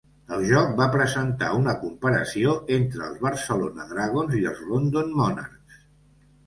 El joc va presentar una comparació entre els Barcelona Dragons i els London Monarchs.